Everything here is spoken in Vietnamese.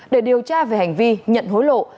để điều tra về hành vi nhận hối lộ